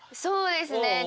そうですね。